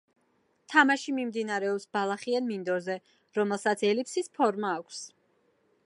თამაში მიმდინარეობს ბალახიან მინდორზე, რომელსაც ელიფსის ფორმა აქვს.